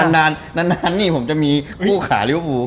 นั้นนานจะมีคู่ขาเรียบรูป